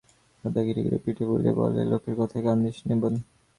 দাদা ধীরে ধীরে পিঠে হাত বুলিয়ে বললে, লোকের কথায় কান দিস নে বোন।